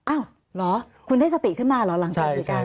อ้าวหรอคุณได้สติขึ้นมาหรอหลังการพิการ